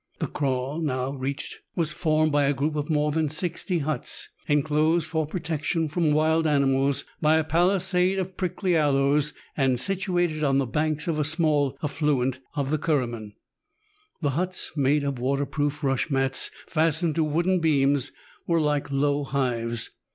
The kraal now reached was formed by a group of more than sixty huts, enclosed for protection from wild animals by a palisade of prickly aloes, and situated on the banks of a small affluent of the Kuruman. The huts, made of water proof rush mats fastened to wooden beams, were like low hives.